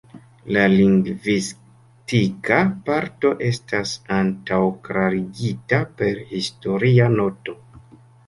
La lingvistika parto estas antaŭklarigita per historia noto.